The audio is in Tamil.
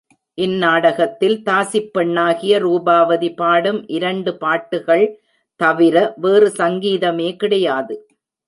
இந்நாடகத்தில் தாசிப் பெண்ணாகிய ரூபாவதி பாடும் இரண்டு பாட்டுகள் தவிர வேறு சங்கீதமே கிடையாது.